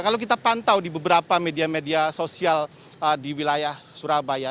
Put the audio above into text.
kalau kita pantau di beberapa media media sosial di wilayah surabaya